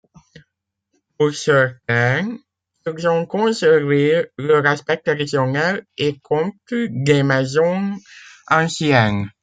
Pour certains, ils ont conservé leur aspect traditionnel et comptent des maisons anciennes.